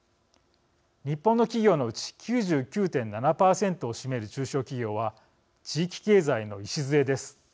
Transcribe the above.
日本の企業のうち９９．７％を占める中小企業は地域経済の礎です。